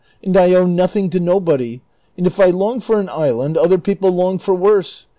405 I owe nothing to nobody, and if 1 long for an island, other people long for worse.